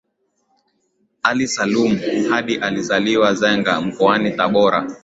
ally salum hapi alizaliwa nzega mkoani tabora